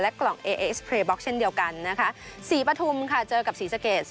และกล่องเอเอเอสเพลย์บล็อกเช่นเดียวกันนะคะสีปทุมค่ะเจอกับสีสเก็ต